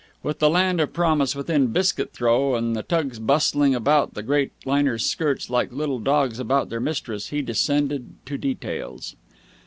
With the land of promise within biscuit throw and the tugs bustling about the great liner's skirts like little dogs about their mistress, he descended to details.